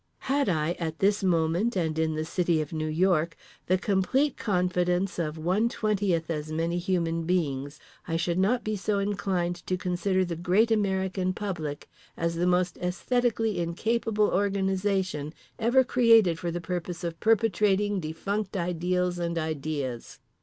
Had I, at this moment and in the city of New York, the complete confidence of one twentieth as many human beings I should not be so inclined to consider The Great American Public as the most aesthetically incapable organization ever created for the purpose of perpetuating defunct ideals and ideas.